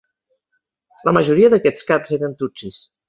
La majoria d'aquests caps eren tutsis.